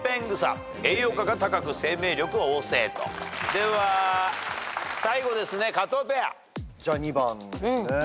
では最後ですね加藤ペア。じゃあ２番ですね。